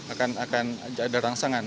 akan ada rangsangan